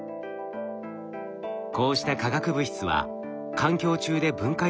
こうした化学物質は環境中で分解されにくいうえ